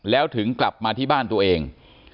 แล้วถึงกลับมาที่บ้านตัวเอง